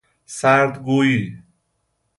سرد گوئی